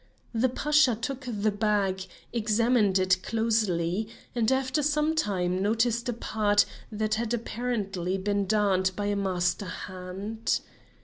The Pasha took the bag, examined it closely, and after some time noticed a part that had apparently been darned by a master hand.